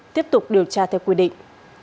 tiếp tục điều tra theo quy định